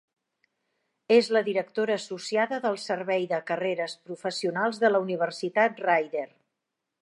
És la directora associada del Servei de Carreres Professionals de la Universitat Rider.